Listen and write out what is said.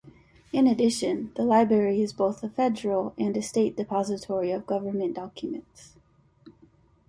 In addition, the library is both a federal and state depository of government documents.